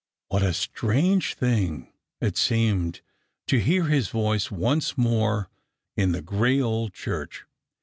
What a strange thing it seemed to hear his voice once more in the gray old church